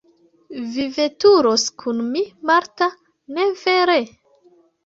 Vi veturos kun mi, Marta, ne vere?